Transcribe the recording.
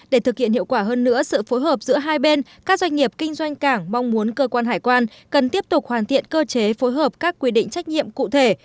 để thực hiện hiệu quả hơn nữa sự phối hợp giữa hai bên các doanh nghiệp kinh doanh cảng mong muốn cơ quan hải quan cần tiếp tục hoàn thiện cơ chế phối hợp các quy định trách nhiệm cụ thể